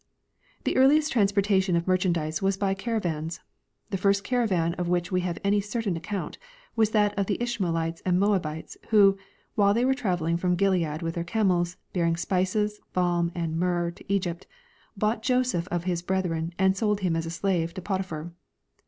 The earliest transportation of merchandise Avas by caravans. The first caravan of which we have any certain account Avas that of the Ishmaelites and Moabites, who, while they were traveling from Gilead Avith their camels, bearing spices, balm and myrrh to Egypt, bought Joseph of his brethren and sold him as a slave to Potiphar.